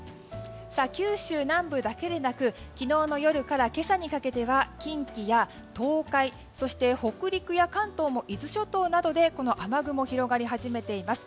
九州南部だけでなく昨日の夜から今朝にかけては近畿や東海、そして北陸や関東の伊豆諸島などでこの雨雲が広がり始めています。